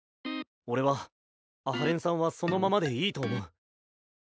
俺は阿波連さんはそのままでいいと思う。